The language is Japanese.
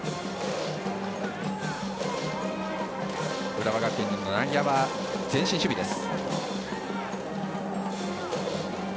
浦和学院の内野は前進守備です。